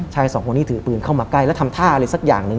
สองคนนี้ถือปืนเข้ามาใกล้แล้วทำท่าอะไรสักอย่างหนึ่ง